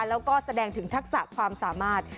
แล้วก็แสดงถึงทักษะความสามารถ